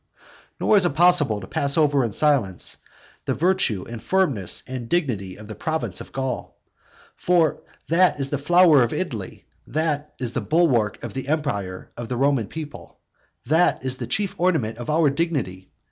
Nor is it possible to pass over in silence the virtue and the firmness and the dignity of the province of Gaul. For that is the flower of Italy, that is the bulwark of the empire of the Roman people, that is the chief ornament of our dignity.